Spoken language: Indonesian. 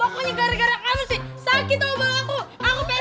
pokoknya gara gara kamu sih